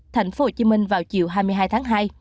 thành phố hồ chí minh vào chiều hai mươi hai tháng hai